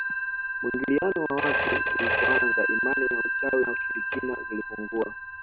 Muingiliano wa watu ulipoanza imani ya uchawi na ushirikina zilipungua